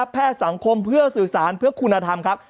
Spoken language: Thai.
แพทย์สังคมเพื่อสื่อสารเพื่อคุณธรรมครับ